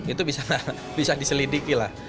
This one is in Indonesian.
itu bisa diselidiki lah